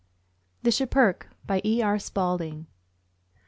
THE SCHIPPERKE. BY E. R. SPALDING.